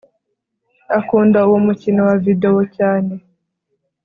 Akunda uwo mukino wa videwo cyane